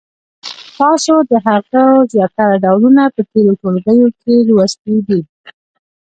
تاسو د هغو زیاتره ډولونه په تېرو ټولګیو کې لوستي دي.